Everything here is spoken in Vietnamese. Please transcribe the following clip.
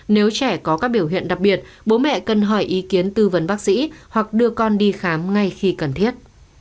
nếu trẻ có các biểu hiện đặc biệt bố mẹ cần hỏi ý kiến tư vấn bác sĩ hoặc đưa con đi khám ngay khi cần thiết